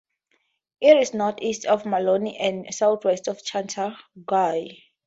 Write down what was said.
It is northeast of Malone and southwest of Chateaugay.